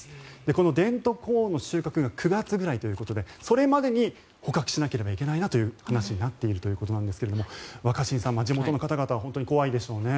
このデントコーンの収穫が９月ぐらいということでそれまでに捕獲しなければいけないなという話になっているそうですが若新さん、地元の方々は怖いでしょうね。